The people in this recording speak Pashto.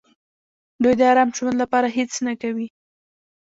دوی د ارام ژوند لپاره هېڅ نه کوي.